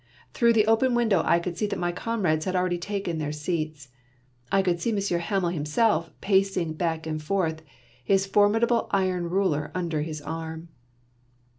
Through the open window I could see that my comrades had already taken their seats; I could see Monsieur Hamel himself, passing back and forth, his for midable iron ruler under his arm.